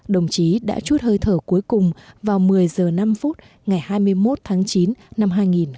đồng chí đã chút hơi thở cuối cùng vào một mươi h năm ngày hai mươi một tháng chín năm hai nghìn một mươi chín